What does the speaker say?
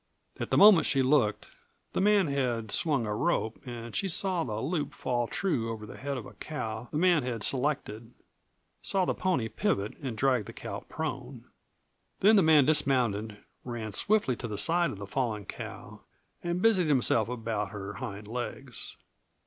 At the moment she looked the man had swung a rope, and she saw the loop fall true over the head of a cow the man had selected, saw the pony pivot and drag the cow prone. Then the man dismounted, ran swiftly to the side of the fallen cow, and busied himself about her hind legs.